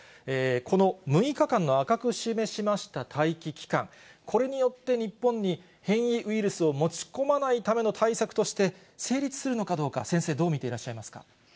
この６日間の赤く示しました待機期間、これによって日本に変異ウイルスを持ち込まないための対策として、成立するのかどうか、先生、どう見ていらっしゃいますか。